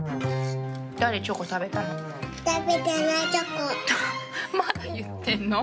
誰、チョコ食べたの？